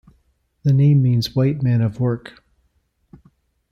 The name means white man of work.